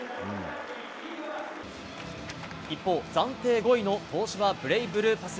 一方、暫定５位の東芝ブレイブルーパス